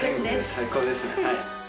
最高ですね。